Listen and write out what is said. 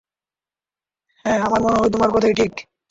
হ্যাঁ, আমার মনে হয় তোমার কথাই ঠিক।